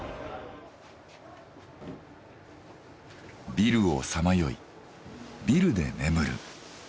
ビルをさまよいビルで眠る。